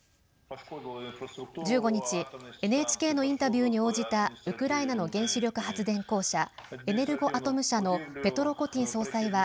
１５日ＮＨＫのインタビューに応じたウクライナの原子力発電公社エネルゴアトム社のペトロ・コティン総裁は